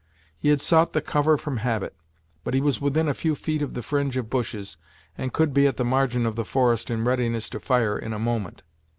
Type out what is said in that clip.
He had sought the cover from habit, but was within a few feet of the fringe of bushes, and could be at the margin of the forest in readiness to fire in a moment.